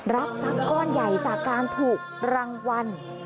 รับทรัพย์ก้อนใหญ่จากการถูกรางวัล